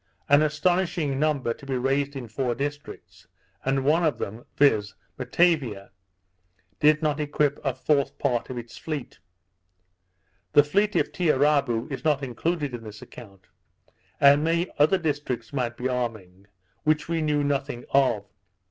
An astonishing number to be raised in four districts; and one of them, viz. Matavia, did not equip a fourth part of its fleet. The fleet of Tiarabou is not included in this account; and many other districts might be arming, which we knew nothing of.